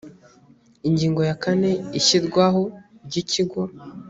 ingingo ya kane ishyirwaho ry ikigo